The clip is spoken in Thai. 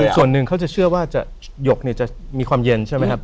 ส่วนหนึ่งเขาจะเชื่อว่าหยกจะมีความเย็นใช่ไหมครับ